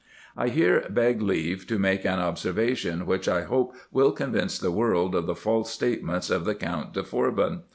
1 here beg leave to make an observation which I hope will con vince the world of the false statement of Count de Forbin.